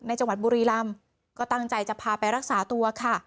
จังหวัดบุรีรำก็ตั้งใจจะพาไปรักษาตัวค่ะ